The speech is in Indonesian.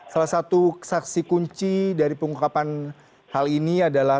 salah satu saksi kunci dari pengungkapan hal ini adalah